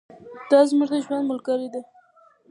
دا زموږ د ژوند ملګرې ده.